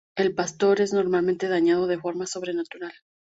El pastor es normalmente dañado de forma sobrenatural.